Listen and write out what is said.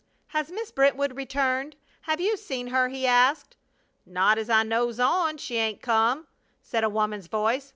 "Has Miss Brentwood returned? Have you seen her?" he asked. "Not as I knows on, she 'ain't come," said a woman's voice.